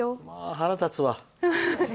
腹立つわ。